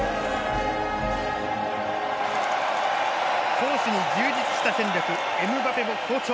攻守に充実した戦力エムバペも好調。